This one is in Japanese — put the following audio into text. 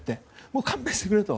勘弁してくれと。